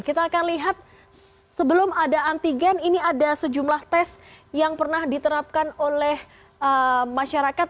kita akan lihat sebelum ada antigen ini ada sejumlah tes yang pernah diterapkan oleh masyarakat